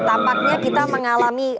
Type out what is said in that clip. tampaknya kita mengalami